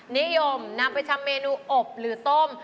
นิยมนำไปทำเมนูอบหรือต้ม